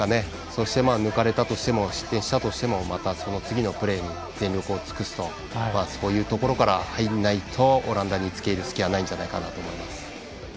そして、抜かれたとしても失点したとしても、またその次のプレーに全力を尽くすとそういうところから入らないとオランダに付け入る隙はないんじゃないかなと思います。